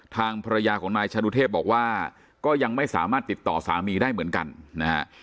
ทางภรรยาของนายชานุเทพบอกว่าก็ยังไม่สามารถติดต่อสามีได้เหมือนกันนะฮะ